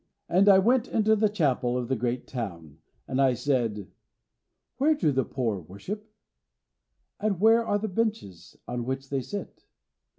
And I went into the chapel of the great town, and I said: 'Where do the poor worship, and where are the benches on which they sit?'